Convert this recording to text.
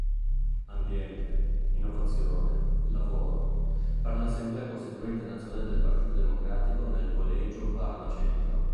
Ambiente, innovazione, lavoro" per l'assemblea costituente nazionale del Partito Democratico nel collegio Parma Centro.